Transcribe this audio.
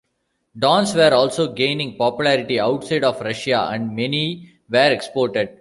Dons were also gaining popularity outside of Russia, and many were exported.